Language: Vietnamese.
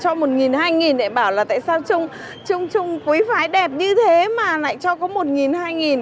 cho một nghìn hai nghìn để bảo là tại sao trung trung quý phái đẹp như thế mà lại cho có một nghìn hai nghìn